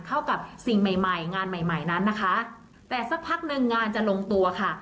เข้ากับสิ่งใหม่ใหม่งานใหม่ใหม่นั้นนะคะแต่สักพักหนึ่งงานจะลงตัวค่ะ